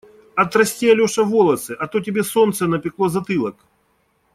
Отрасти, Алеша, волосы, а то тебе солнце напекло затылок.